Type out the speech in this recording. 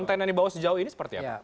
konten yang dibawa sejauh ini seperti apa